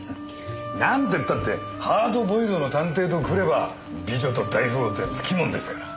なんてったってハードボイルドの探偵とくれば美女と大富豪ってのはつきものですから。